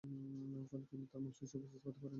ফলে তিনি তার মজলিসে উপস্থিত হতে পারেন না।